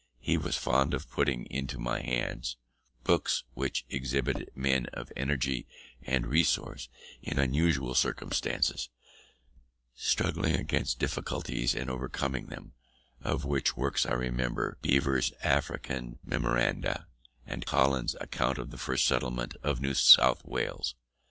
He was fond of putting into my hands books which exhibited men of energy and resource in unusual circumstances, struggling against difficulties and overcoming them: of such works I remember Beaver's African Memoranda, and Collins's Account of the First Settlement of New South Wales.